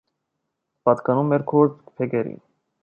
Պատկանում էր քուրդ բեկերին։